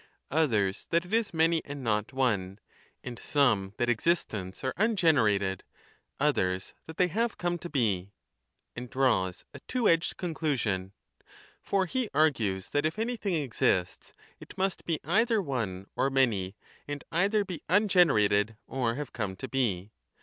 CHAPTER 5 979 a others that it is many and not one, and some that ex istents are ungenerated, others that they have come to be), and draws a two edged conclusion. For he argues that if anything exists, it must be either one or many, and cither be ungenerated or have come to be.